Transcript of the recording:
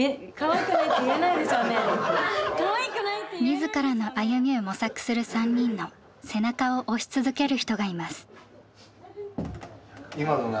自らの歩みを模索する３人の背中を押し続ける人がいます。